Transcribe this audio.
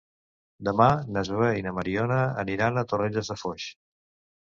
Demà na Zoè i na Mariona aniran a Torrelles de Foix.